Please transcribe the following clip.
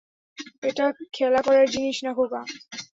এটা খেলা করার জিনিস না, খোকা।